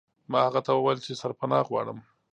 ما هغه ته وویل چې سرپناه غواړم.